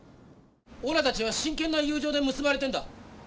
おらたちは真剣な友情で結ばれてんだ。